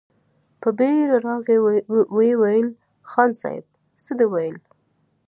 په بېړه راغی، ويې ويل: خان صيب! څه دې ويل؟